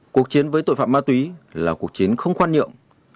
cuộc chiến với tội phạm ma túy là cuộc chiến không khoan nhượng